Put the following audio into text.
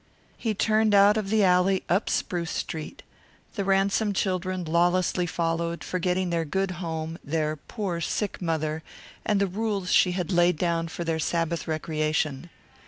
He turned out of the alley up Spruce Street. The Ransom children lawlessly followed, forgetting their good home, their poor, sick mother and the rules she had laid down for their Sabbath recreation.